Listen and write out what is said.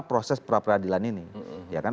proses pra peradilan ini ya kan